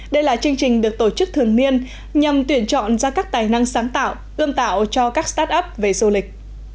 đây là chương trình được tổ chức thường niên nhằm tuyển chọn ra các tài năng sáng tạo ươm tạo cho các start up về du lịch